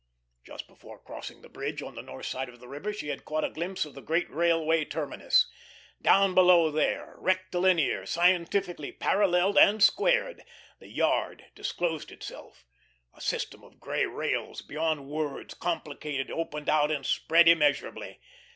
Just before crossing the bridge on the north side of the river she had caught a glimpse of a great railway terminus. Down below there, rectilinear, scientifically paralleled and squared, the Yard disclosed itself. A system of grey rails beyond words complicated opened out and spread immeasurably.